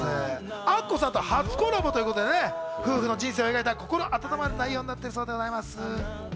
アッコさんとは初コラボということで夫婦の人生を描いた心温まる内容になっているんだそうでございます。